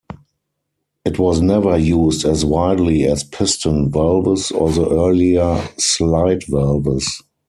It was never used as widely as piston valves or the earlier slide valves.